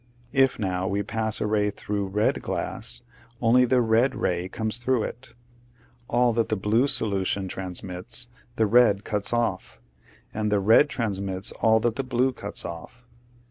If now we pass a ray through red glass, only the red ray comes through it; all that the blue solution transmits the red cuts off, and the red transmits all that the blue cuts off.